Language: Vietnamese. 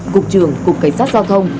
cục trưởng cục cảnh sát giao thông